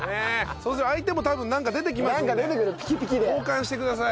そうすれば相手も多分なんか出てきますので交換してください。